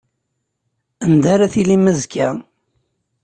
Anda ara tilim azekka?